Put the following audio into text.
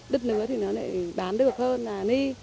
đứt lứa thì nó lại bán được hơn là ni